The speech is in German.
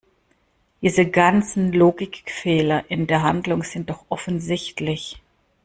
Diese ganzen Logikfehler in der Handlung sind doch offensichtlich!